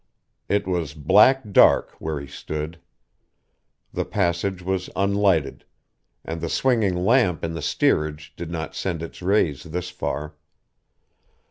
It was black dark, where he stood. The passage was unlighted; and the swinging lamp in the steerage did not send its rays this far.